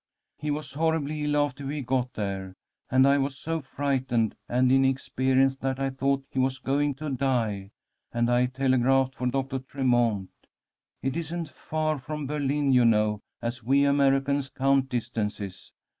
"'He was horribly ill after we got there, and I was so frightened and inexperienced that I thought he was going to die, and I telegraphed for Doctor Tremont. It isn't far from Berlin, you know, as we Americans count distances.